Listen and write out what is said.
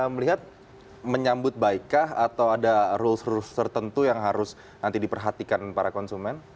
melihat menyambut baikkah atau ada rules rules tertentu yang harus nanti diperhatikan para konsumen